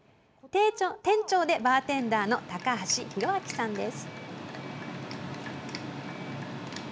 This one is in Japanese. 店長でバーテンダーの高橋弘晃さんです。